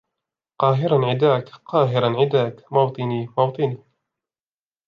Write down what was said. قاهِراً عِـــداكْ قاهِـراً عِــداكْ مَــوطِــنِــي مَــوطِــنِــي